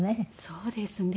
そうですね。